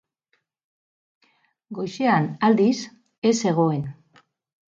Goizean, aldiz, ez zegoen.